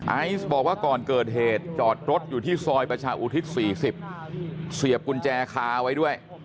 ไอซ์บอกว่าก่อนเกิดเหตุจอดรถอยู่ที่ซอยประชาอุทิศ๔๐เสียบกุญแจคาไว้ด้วย